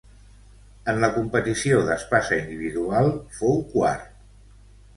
En la competició d'espasa individual fou quart.